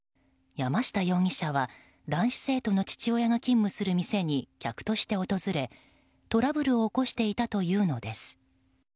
山下容疑者は男子生徒の父親が勤務する店に客として訪れ、トラブルを起こしていたというのです。